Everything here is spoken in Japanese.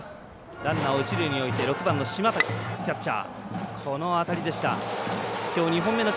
ランナーを一塁に置いて６番の島瀧、キャッチャー。